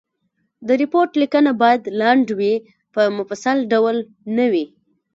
د ریپورټ لیکنه باید لنډ وي په مفصل ډول نه وي.